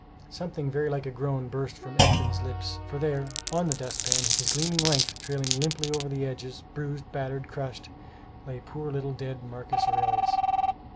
Something very like a groan burst from Edmund's lips; for, there, on the dustpan, his gleaming length trailing limply over the edges, bruised, battered, crushed, lay poor little dead Marcus Aurelius.